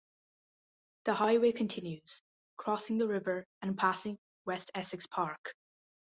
The highway continues, crossing the river, and passing West Essex Park.